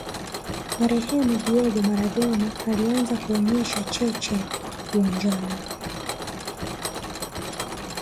marehemu diego maradona alianza kuonesha cheche uwanjani